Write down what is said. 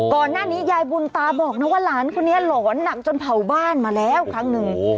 ก่อนหน้านี้ยายบุญตาบอกนะว่าหลานคนนี้หลอนหนักจนเผาบ้านมาแล้วครั้งหนึ่ง